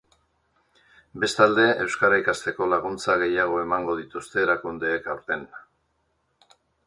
Bestalde, euskara ikasteko laguntza gehiago emango dituzte erakundeek aurten.